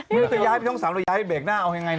ไม่ได้ย้ายไปช่องสามแต่ย้ายไปเบรกหน้าเอาอย่างไร